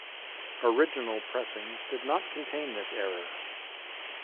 Original pressings did not contain this error.